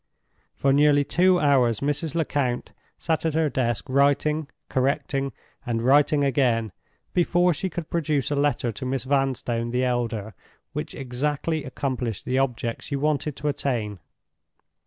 For nearly two hours Mrs. Lecount sat at her desk writing, correcting, and writing again, before she could produce a letter to Miss Vanstone, the elder, which exactly accomplished the object she wanted to attain.